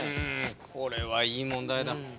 これはいい問題だ。